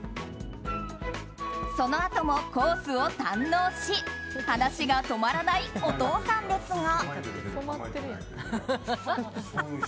そのあともコースを堪能し話が止まらないお父さんですが。